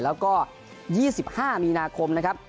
แล้วก็๒๕มีนาคมนะครับ